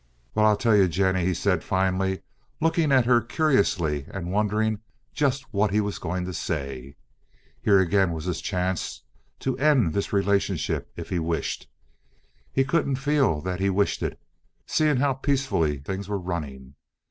"Well, I'll tell you, Jennie," he said finally, looking at her curiously and wondering just what he was going to say. Here again was his chance to end this relationship if he wished. He couldn't feel that he did wish it, seeing how peacefully things were running.